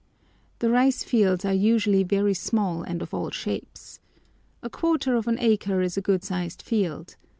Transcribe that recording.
The rice fields are usually very small and of all shapes. A quarter of an acre is a good sized field.